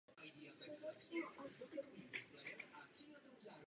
Mléčné výrobky mají ve Finsku vysokou kvalitu a jsou velmi různorodé.